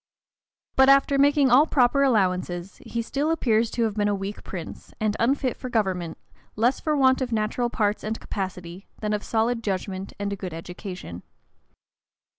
But after making all proper allowances, he still appears to have been a weak prince, and unfit for government, less for want of natural parts and capacity, than of solid judgment and a good education.